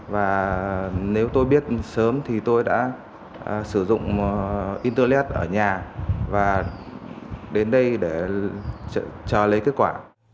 và nếu tôi biết sớm thì tôi đã sử dụng internet ở nhà và đến đây để trả lấy kết quả